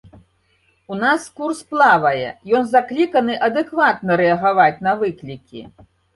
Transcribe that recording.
У нас курс плавае, ён закліканы адэкватна рэагаваць на выклікі.